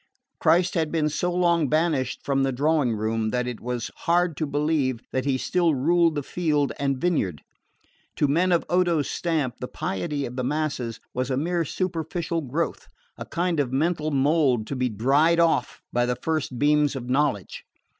Christ had been so long banished from the drawing room that it was has hard to believe that He still ruled in field and vineyard. To men of Odo's stamp the piety of the masses was a mere superficial growth, a kind of mental mould to be dried off by the first beams of knowledge.